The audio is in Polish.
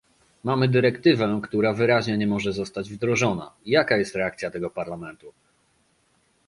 Mamy dyrektywę, która wyraźnie nie może zostać wdrożona, i jaka jest reakcja tego Parlamentu?